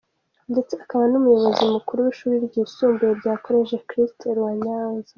ndetse akaba umuyobozi mukuru wishuri ryisumbuye rya College Christ-Roi Nyanza.